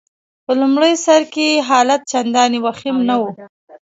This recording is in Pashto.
په لمړي سر کي يې حالت چنداني وخیم نه وو.